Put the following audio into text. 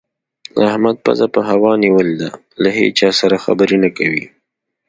احمد پزه په هوا نيول ده؛ له هيچا سره خبرې نه کوي.